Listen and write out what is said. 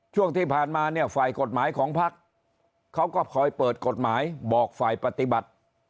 ช่วงที่ผ่านมาเนี่ยฝ่ายกฎหมายของพักเขาก็คอยเปิดกฎหมายบอกฝ่ายปฏิบัติ